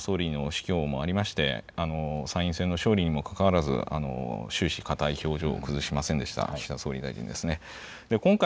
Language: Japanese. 安倍元総理の死去もありまして参院選の勝利にも関わらず終始かたい表情を崩しました岸田総理大臣ですね。